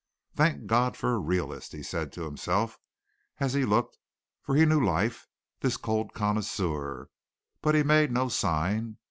"Thank God for a realist," he said to himself as he looked, for he knew life, this cold connoisseur; but he made no sign.